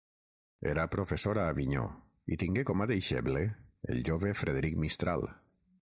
Era professor a Avinyó, i tingué com a deixeble el jove Frederic Mistral.